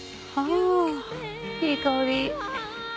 あいい香り。